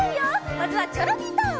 まずはチョロミーと。